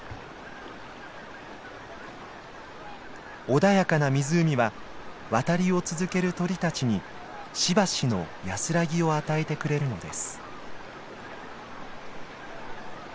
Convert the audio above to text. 穏やかな湖は渡りを続ける鳥たちにしばしの安らぎを与えてくれるのです。